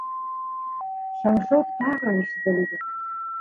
Шыңшыу тағы ишетелде.